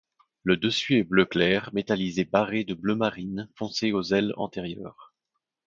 Le dessus est bleu clair métallisé barré de bleu marine foncé aux ailes antérieures.